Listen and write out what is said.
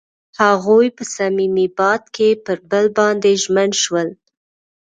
هغوی په صمیمي باد کې پر بل باندې ژمن شول.